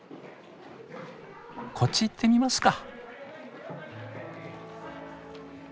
こっち行ってみますか。